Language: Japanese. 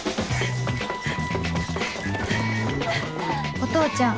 お父ちゃん